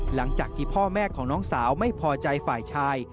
หลังจากที่พ่อแม่ของน้องสาวไม่พอใจฝ่ายชาย